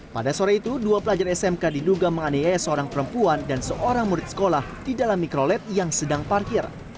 pada sore itu dua pelajar smk diduga menganiaya seorang perempuan dan seorang murid sekolah di dalam mikrolet yang sedang parkir